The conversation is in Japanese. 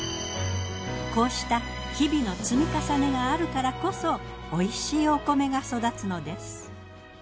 こうした日々の積み重ねがあるからこそおいしいお米が育つのです。